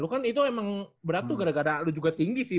lu kan itu emang berat tuh gara gara lu juga tinggi sih